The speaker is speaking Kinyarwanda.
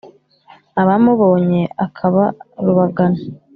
abamubonye akaba rubagana.